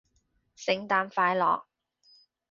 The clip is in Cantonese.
聖誕快樂